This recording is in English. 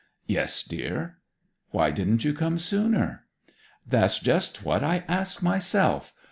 'Yes, dear.' 'Why didn't you come sooner?' 'That's just what I ask myself!